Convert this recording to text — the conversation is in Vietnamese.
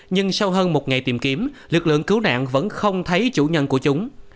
nhưng sau hơn một ngày tìm kiếm lực lượng cứu nạn vẫn không thấy chủ nhân của chúng